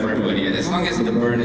untuk orang yang benar